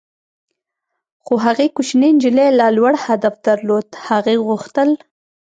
خو هغې کوچنۍ نجلۍ لا لوړ هدف درلود - هغې غوښتل.